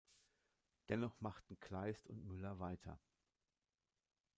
Dennoch machten Kleist und Müller weiter.